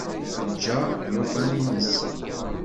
Teǧǧa llufan-ines.